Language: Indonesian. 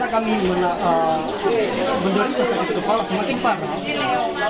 kita sakit kepala semakin parah